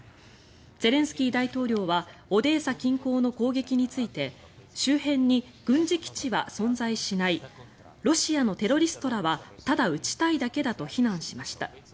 ゼレンスキー大統領はオデーサ近郊の攻撃について周辺に軍事基地は存在しないロシアのテロリストらはただ撃ちたいだけだと非難しました。